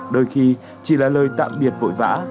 đôi khi chỉ là lời tạm biệt vội vã